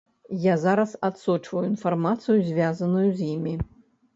Я зараз адсочваю інфармацыю, звязаную з імі.